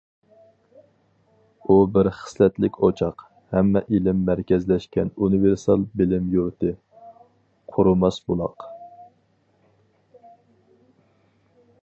ئۇ بىر خىسلەتلىك ئوچاق، ھەممە ئىلىم مەركەزلەشكەن ئۇنىۋېرسال بىلىم يۇرتى، قۇرۇماس بۇلاق.